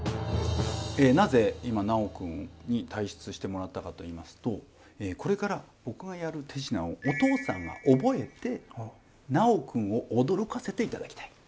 なぜ今尚くんに退出してもらったかといいますとこれから僕がやる手品をお父さんが覚えて尚くんを驚かせて頂きたい。